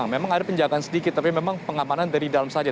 memang ada penjagaan sedikit tapi memang pengamanan dari dalam saja